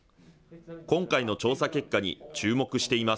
今回の調査結果に注目しています。